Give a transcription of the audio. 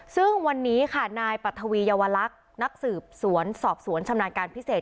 ซึ่งวันนี้ค่ะนายปัทวีเยาวลักษณ์นักสืบสวนสอบสวนชำนาญการพิเศษ